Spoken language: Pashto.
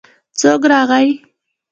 څوک راغی.